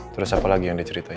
terus apa lagi yang diceritain